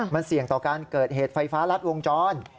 มันเสี่ยงต่อการเกิดเหตุไฟฟ้ารัดวงจร